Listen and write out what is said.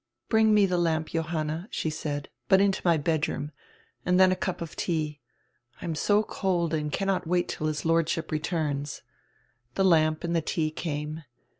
"Bring me the lamp, Johanna," she said, "but into my bedroom. And then a cup of tea. I am so cold and cannot wait till his Lordship returns." The lamp and the tea came.